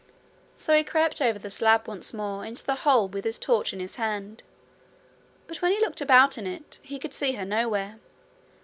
So he crept over the slab once more into the hole with his torch in his hand. But when he looked about in it, he could see her nowhere.